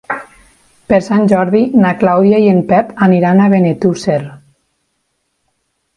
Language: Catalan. Per Sant Jordi na Clàudia i en Pep aniran a Benetússer.